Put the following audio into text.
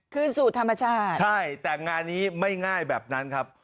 คืนสู่ธรรมชาติใช่แต่งานนี้ไม่ง่ายแบบนั้นครับ